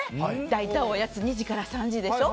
大体、おやつ２時から３時でしょ。